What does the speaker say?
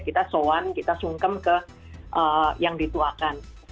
kita soan kita sungkem ke yang dituakan